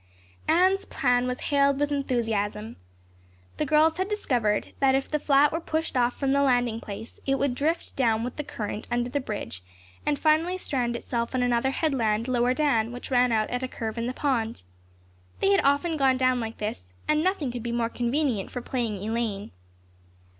Anne's plan was hailed with enthusiasm. The girls had discovered that if the flat were pushed off from the landing place it would drift down with the current under the bridge and finally strand itself on another headland lower down which ran out at a curve in the pond. They had often gone down like this and nothing could be more convenient for playing Elaine.